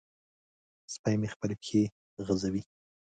سپی مې خپلې پښې غځوي.